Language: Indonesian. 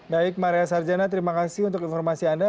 baik maria sarjana terima kasih untuk informasi anda